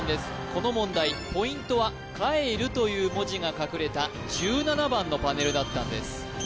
この問題ポイントは「帰る」という文字が隠れた１７番のパネルだったんです